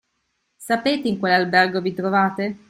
Sapete in quale albergo vi trovate?